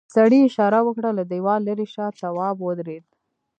سړي اشاره وکړه له دیوال ليرې شه تواب ودرېد.